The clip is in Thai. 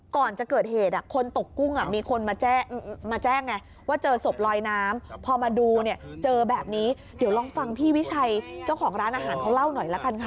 ก่อนจะเกิดเหตุคนตกกุ้งมีคนมาแจ้งไงว่าเจอศพลอยน้ำพอมาดูเนี่ยเจอแบบนี้เดี๋ยวลองฟังพี่วิชัยเจ้าของร้านอาหารเขาเล่าหน่อยละกันค่ะ